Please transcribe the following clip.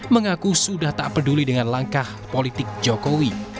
mengaku sudah tak peduli dengan langkah politik jokowi